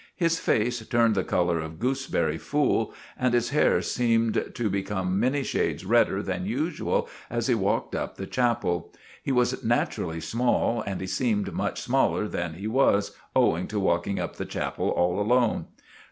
His face turned the colour of gooseberry fool, and his hair seemed to become many shades redder than usual as he walked up the chapel. He was naturally small, and he seemed much smaller than he was, owing to walking up the chapel all alone.